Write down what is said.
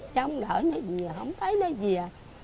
trong đỡ như gì không thấy nó gì à